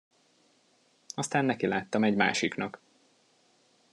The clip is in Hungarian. Aztán nekiláttam egy másiknak.